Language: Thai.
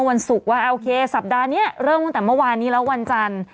วันศุกร์ว่าโอเคสัปดาห์นี้เริ่มตั้งแต่เมื่อวานนี้แล้ววันจันทร์